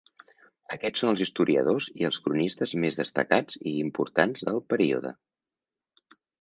Aquests són els historiadors i els cronistes més destacats i importants del període.